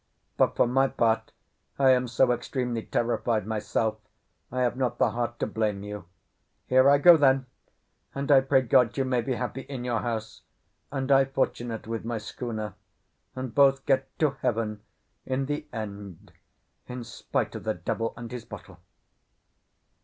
But for my part, I am so extremely terrified myself, I have not the heart to blame you. Here I go then; and I pray God you may be happy in your house, and I fortunate with my schooner, and both get to heaven in the end in spite of the devil and his bottle."